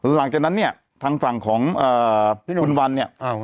หลังจากนั้นเนี่ยทางฝั่งของคุณวันเนี่ย